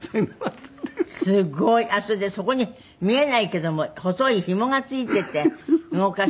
すごい。それでそこに見えないけども細い紐がついてて動かして。